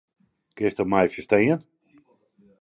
Kinsto my ferstean?